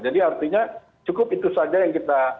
jadi artinya cukup itu saja yang kita